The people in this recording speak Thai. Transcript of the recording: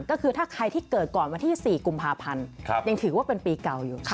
ก็คือถ้าใครที่เกิดก่อนวันที่๔กุมภาพันธ์ยังถือว่าเป็นปีเก่าอยู่